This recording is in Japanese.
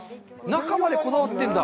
中までこだわってるんだ。